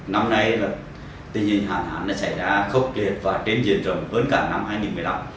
năm nay tình hình hạn hán xảy ra khốc liệt và trên diện rộng hơn cả năm hai nghìn một mươi năm